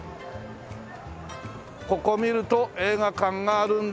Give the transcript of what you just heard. ここを見ると映画館があるんだけども。